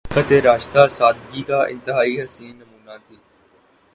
خلافت راشدہ سادگی کا انتہائی حسین نمونہ تھی۔